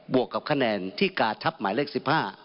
บวกกับคะแนนที่กาทับหมายเลขสิบห้า